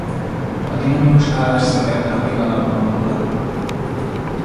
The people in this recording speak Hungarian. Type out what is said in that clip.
A dinamikus állásszög ebben a pillanatban nulla.